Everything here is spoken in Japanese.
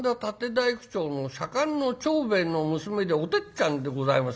大工町の左官の長兵衛の娘でおてっちゃんでございます」。